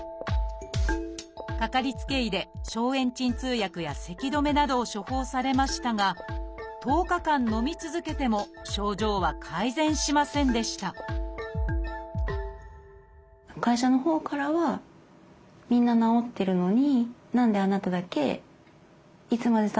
かかりつけ医で消炎鎮痛薬やせき止めなどを処方されましたが１０日間のみ続けても会社のほうからは「みんな治ってるのに」